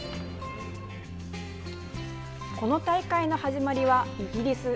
この大会の始まりはイギリス。